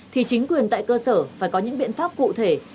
thì chính quyền tại cơ sở phải có những biện pháp cụ thể